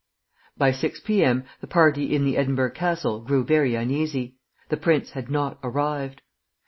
By six P. M. the party in the "Edinburgh Castle" grew very uneasy; the prince had not arrived.